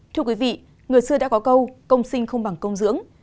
thưa quý vị người xưa đã có câu công sinh không bằng công dưỡng